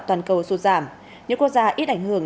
toàn cầu sụt giảm những quốc gia ít ảnh hưởng